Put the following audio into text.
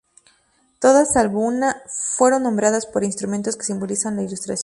Todas salvo una fueron nombradas por instrumentos que simbolizaban la Ilustración.